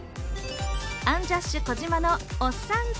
アンジャッシュ・児嶋のおっさんず